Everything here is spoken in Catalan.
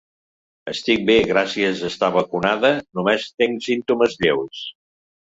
Estic bé i gràcies a estar vacunada només tenc símptomes lleus.